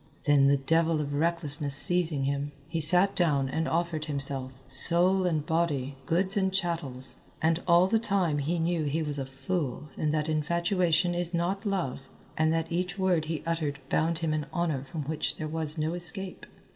Then the devil of recklessness seizing him, he sat down and offered himself, soul and body, goods and chattels. And all the time he knew he was a fool and that infatuation is not love, and that each word he uttered bound him in honour from which there was no escape.